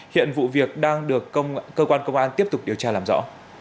hiện vụ việc đang được cơ quan công an tiếp tục điều tra làm rõ